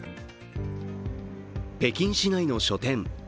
北京市内の書店。